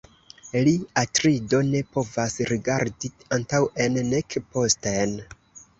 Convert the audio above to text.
Li, Atrido, ne povas rigardi antaŭen, nek posten.